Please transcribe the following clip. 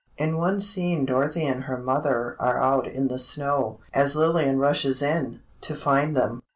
In one scene Dorothy and her "mother" are out in the snow, as Lillian rushes in, to find them.